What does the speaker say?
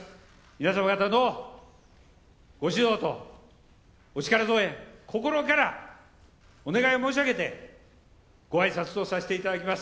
皆様方のご指導とお力添え心からお願い申し上げてごあいさつとさせていただきます。